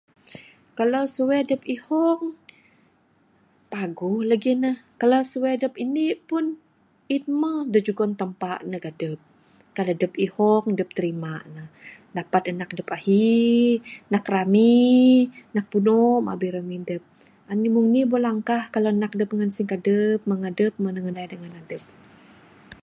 Kalau suwek dep ihong paguh legi ne, kalau suwek dep indi pun in meh jugon Tampa dek adep. Kan adep ihong dep terima ne dapat anak dep nak ahi nak rami, nak puno mah abih remin dep. Anih mung nih moh langkah kalau anak dep singkadep ngedep ngendai dengan adep.